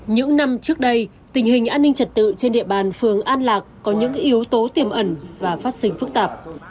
những năm trước đây tình hình an ninh trật tự trên địa bàn phường an lạc có những yếu tố tiềm ẩn và phát sinh phức tạp